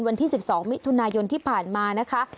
วันที่๑๒มิถุนายนที่ผ่านมานะคะ